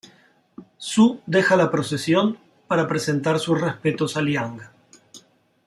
Zhu deja la procesión para presentar sus respetos a Liang.